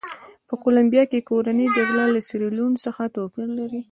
په کولمبیا کې کورنۍ جګړه له سیریلیون څخه توپیر لري.